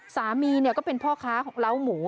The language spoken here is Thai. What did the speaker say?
สามีเนี่ยก็เป็นพ่อค้าเล้าหมู